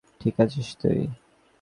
ঠিক আছিস তুই?